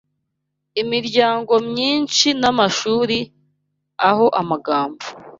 imiryango myinshi n’amashuri aho amagambo